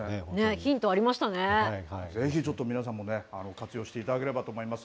ぜひちょっと皆さんもね、活用していただければと思います。